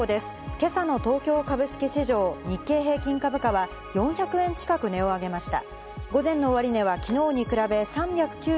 今朝の東京株式市場で日経平均株価は４００円近く値を上げました。